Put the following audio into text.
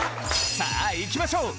さあいきましょう！